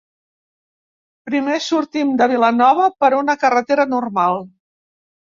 Primer sortim de Vilanova per una carretera normal.